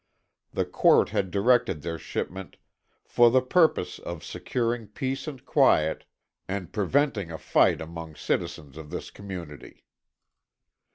The court had directed their shipment "for the purpose of securing peace and quiet and preventing a fight among citizens of this community."